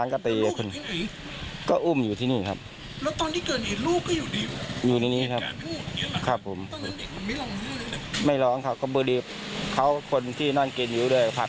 นำผู้หญิงไปแล้วออกมากเลยครับ